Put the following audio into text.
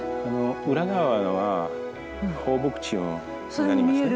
裏側は放牧地になりますね。